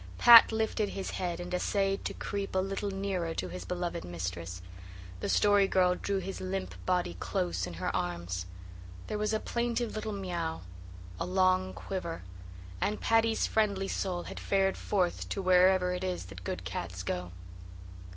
Pat lifted his head and essayed to creep a little nearer to his beloved mistress. The Story Girl drew his limp body close in her arms. There was a plaintive little mew a long quiver and Paddy's friendly soul had fared forth to wherever it is that good cats go.